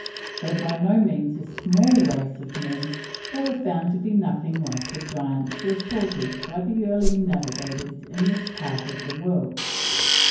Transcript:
Though by no means a small race of men, they were found to be nothing like the giants reported by the early navigators in this part of the world.